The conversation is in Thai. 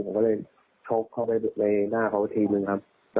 ผมก็เลยชกเข้าไปในหน้าเขาทีนึงครับ